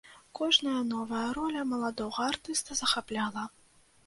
Кожная новая роля маладога артыста захапляла.